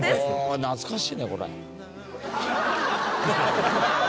「ああ懐かしいねこれ」